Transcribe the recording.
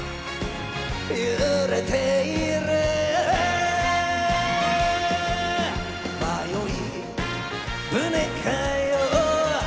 揺れている迷い船かよ